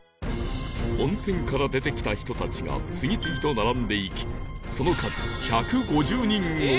温泉から出てきた人たちが次々と並んでいきその数１５０人超え